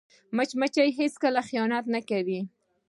مچمچۍ هیڅکله خیانت نه کوي